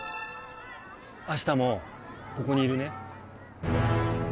明日もここにいるね？